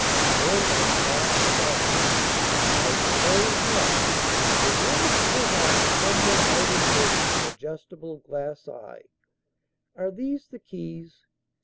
Thorndyke laughed softly. "I suppose not; unless, perhaps, some one might invent an adjustable glass eye. Are these the keys?"